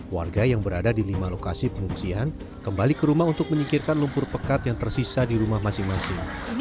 warga yang berada di lima lokasi pengungsian kembali ke rumah untuk menyingkirkan lumpur pekat yang tersisa di rumah masing masing